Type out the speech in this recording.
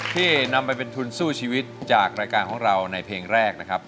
ที่นำไปเป็นทุนสู้ชีวิตจากรายการของเราในเพลงแรกนะครับ